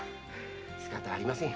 仕方ありません。